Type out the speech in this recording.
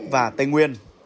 và tây nguyên